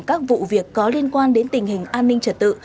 các vụ việc có liên quan đến tình hình an ninh trật tự